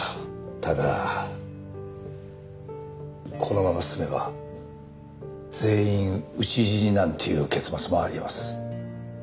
ただこのまま進めば全員討ち死になんていう結末もあり得ます。